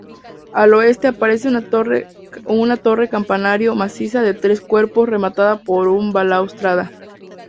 Al oeste aparece una torre campanario maciza de tres cuerpos rematada por una balaustrada.